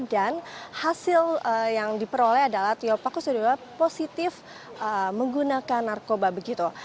dan hasil yang diperoleh adalah tio pakusadewa positif menggunakan narkoba begitu